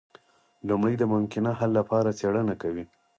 لومړی د ممکنه حل لپاره څیړنه کوي.